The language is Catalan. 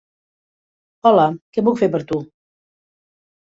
Hola, què puc fer per tu?